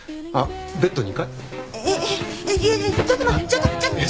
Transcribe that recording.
ちょっと待って。